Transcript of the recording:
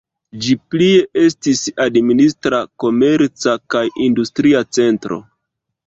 Ĝi plie estas administra, komerca kaj industria centro.